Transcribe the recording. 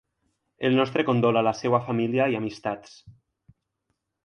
El nostre condol a la seua família i amistats.